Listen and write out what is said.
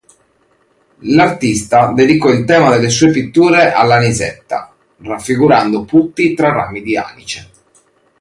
L'artista dedicò il tema delle sue pitture all'anisetta, raffigurando putti tra rami di anice.